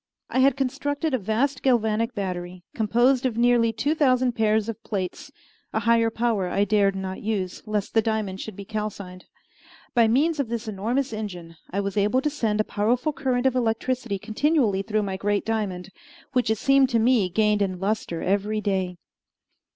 I had constructed a vast galvanic battery, composed of nearly two thousand pairs of plates: a higher power I dared not use, lest the diamond should be calcined. By means of this enormous engine I was enabled to send a powerful current of electricity continually through my great diamond, which it seemed to me gained in lustre every day.